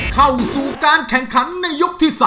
เข้าสู่การแข่งขันในยกที่๓